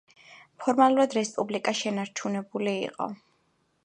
ფორმალურად რესპუბლიკა შენარჩუნებული იყო.